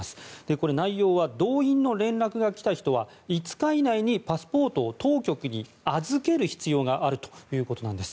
これ、内容は動員の連絡がきた人は５日内にパスポートを当局に預ける必要があるということなんです。